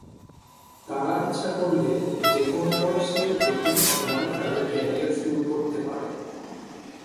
তারা ইচ্ছা করলে যেকোনো বয়সে যেকোনো সময় তাদের ক্যারিয়ার শুরু করতে পারে।